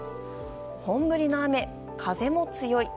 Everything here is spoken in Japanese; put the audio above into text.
本降りの雨、風も強い。